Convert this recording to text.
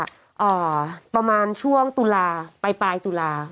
คือประมาณช่วงตุลาไปปลายตุลา